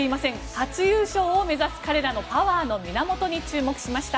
初優勝を目指す彼らのパワーの源に注目しました。